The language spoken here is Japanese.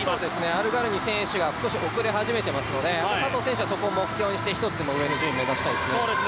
アルガルニ選手が少し遅れ始めていますので佐藤選手はそこを目標にして１つでも上の順位を目指したいですね。